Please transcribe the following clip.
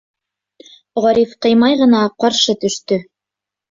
Ғариф ҡыймай ғына ҡаршы төштө: